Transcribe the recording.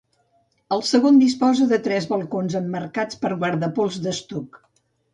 El segon disposa de tres balcons emmarcats per guardapols d'estuc.